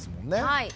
はい。